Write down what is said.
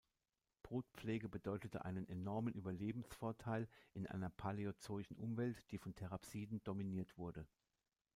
Brutpflege bedeutete einen enormen Überlebensvorteil in einer paläozoischen Umwelt, die von Therapsiden dominiert wurde.